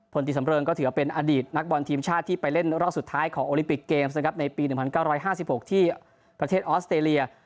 ตีสำเริงก็ถือเป็นอดีตนักบอลทีมชาติที่ไปเล่นรอบสุดท้ายของโอลิปิกเกมส์นะครับในปี๑๙๕๖ที่ประเทศออสเตรเลีย